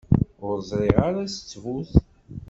Ur ẓriɣ ara s ttbut.